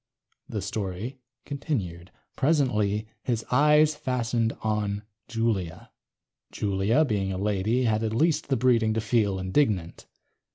The story continued: ... presently his eyes fastened on Julia. Julia, being a lady, had at least the breeding to feel indignant.